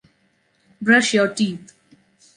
Brush your teeth.